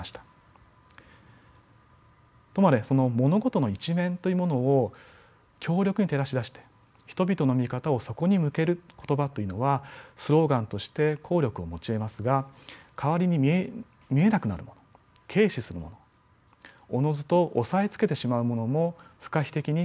ともあれその物事の一面というものを強力に照らし出して人々の見方をそこに向ける言葉というのはスローガンとして効力を持ちえますが代わりに見えなくなるもの軽視するものおのずと抑えつけてしまうものも不可避的に生じてきます。